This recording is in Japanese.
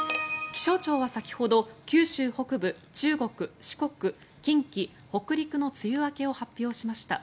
気象庁は先ほど九州北部中国・四国、近畿、北陸の梅雨明けを発表しました。